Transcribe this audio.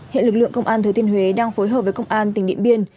hiện lực lượng công an thứ thiên huế đang phối hợp với công an tỉnh điện biên